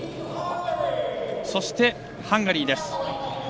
そして、ハンガリー。